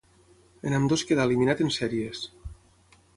En ambdues quedà eliminat en sèries.